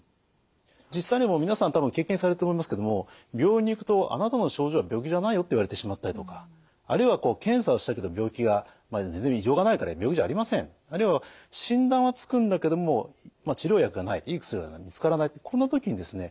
実際にもう皆さん多分経験されてると思いますけれども病院に行くと「あなたの症状は病気じゃないよ」って言われてしまったりとかあるいはこう検査をしたけど病気が異常がないから病気じゃありませんあるいは診断はつくんだけども治療薬がないいい薬が見つからないこんな時にですね